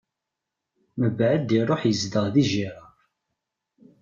Mbeɛd iṛuḥ izdeɣ di Girar.